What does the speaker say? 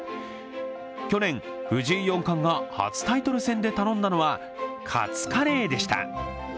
去年、藤井四冠が初タイトル戦で頼んだのはカツカレーでした。